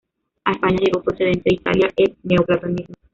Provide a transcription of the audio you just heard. A España llegó procedente de Italia el neoplatonismo.